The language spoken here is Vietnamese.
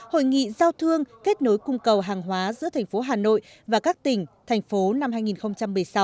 hội nghị giao thương kết nối cung cầu hàng hóa giữa thành phố hà nội và các tỉnh thành phố năm hai nghìn một mươi sáu